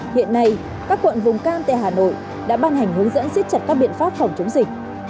hiện nay các quận vùng cam tại hà nội đã ban hành hướng dẫn xích chặt các biện pháp phòng chống dịch